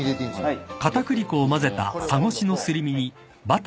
はい。